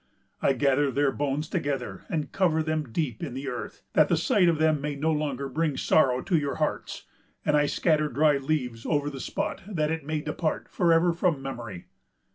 I gather their bones together, and cover them deep in the earth, that the sight of them may no longer bring sorrow to your hearts; and I scatter dry leaves over the spot, that it may depart for ever from memory.